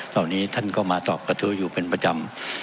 เหล่านี้ท่านก็มาตอบกระทู้อยู่เป็นประจำ